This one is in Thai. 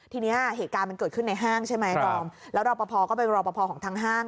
ทีนี้เหตุการณ์มันเกิดขึ้นในห้างใช่ไหมดอมแล้วรอปภก็เป็นรอปภของทางห้าง